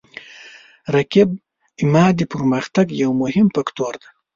رقیب زما د پرمختګ یو مهم فکتور دی